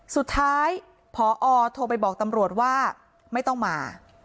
สุดท้ายพอโทรไปบอกตำรวจว่าไม่ต้องมา